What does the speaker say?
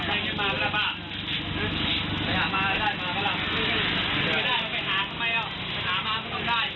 ง่ายถ้าหมาไม่ได้ไม่ต้องได้